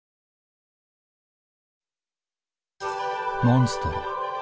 モンストロ。